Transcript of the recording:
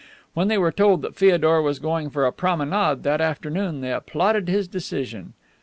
When they were told that Feodor was going for a promenade that afternoon they applauded his decision.